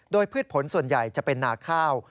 โดยพืชผลส่วนใหญ่จะเป็นนาข้าว